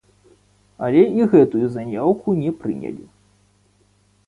Але і гэтую заяўку не прынялі.